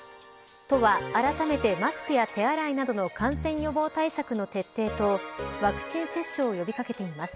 都は、あらためてマスクや手洗いなどの感染予防対策の徹底とワクチン接種を呼び掛けています。